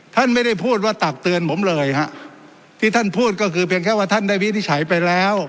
ท่านไม่ได้พูดว่าตักเตือนผมเลยฮะที่ท่านพูดก็คือเพียงแค่ว่าท่านได้วินิจฉัยไปแล้ว